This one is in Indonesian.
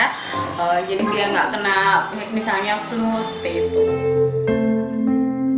jadi dia tidak kena misalnya flu seperti itu